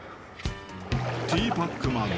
［ティーパックマン。